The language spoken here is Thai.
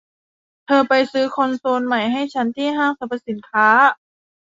เธอไปซื้อคอนโซลใหม่ให้ฉันที่ห้างสรรพสินค้า